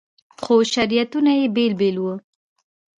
خو شریعتونه یې بېل بېل وو.